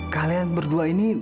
kalian berdua ini